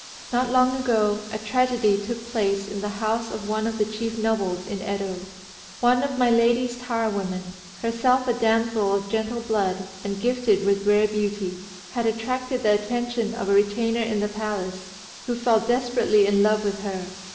Not long ago a tragedy took place in the house of one of the chief nobles in Yedo. One of My Lady's tire women, herself a damsel of gentle blood, and gifted with rare beauty, had attracted the attention of a retainer in the palace, who fell desperately in love with her.